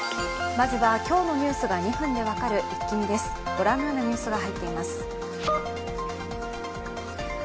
まずは、今日のニュースが２分で分かるイッキ見です。